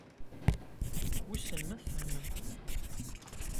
Wissen ma tfehmemt.